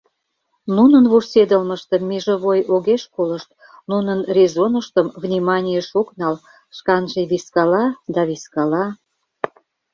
Нунын вурседалмыштым межовой огеш колышт, нунын резоныштым вниманийыш ок нал: шканже вискала да вискала.